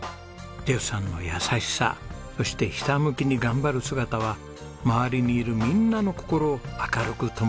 ジェフさんの優しさそしてひたむきに頑張る姿は周りにいるみんなの心を明るくともしてくれます。